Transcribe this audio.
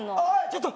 ちょっと。